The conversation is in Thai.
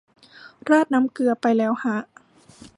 ราดน้ำเกลือไปแล้วฮะ